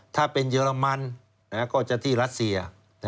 ถ้าเป็นเยอรมันก็จะที่รัสเซีย